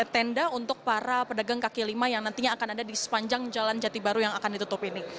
tenda untuk para pedagang kaki lima yang nantinya akan ada di sepanjang jalan jati baru yang akan ditutup ini